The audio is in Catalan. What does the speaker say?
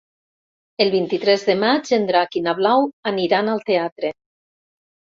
El vint-i-tres de maig en Drac i na Blau aniran al teatre.